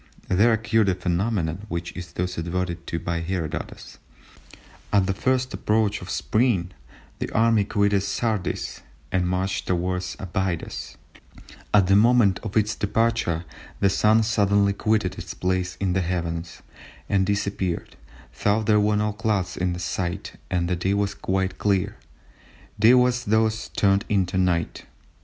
there occurred a phenomenon which is thus adverted to by Herodotus—"At the first approach of Spring the army quitted Sardis and marched towards Abydos; at the moment of its departure the Sun suddenly quitted its place in the heavens and disappeared though there were no clouds in sight and the day was quite clear; day was thus turned into night."